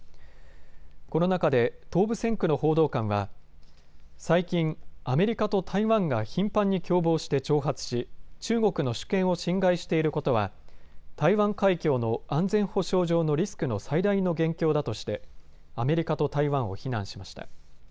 この中で東部戦区の報道官は最近、アメリカと台湾が頻繁に共謀して挑発し、中国の主権を侵害していることは台湾海峡の安全保障上のリスクの最大の元凶だとしてアメリカと台湾を非難しました。